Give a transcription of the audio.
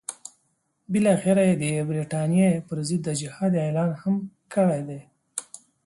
بالاخره یې د برټانیې پر ضد د جهاد اعلان هم کړی دی.